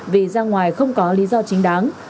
vì ra ngoài không có lý do chính đáng